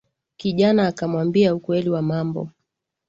Kijana akamwambia ukweli wa mambo.